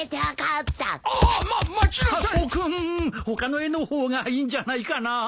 他の絵の方がいいんじゃないかな。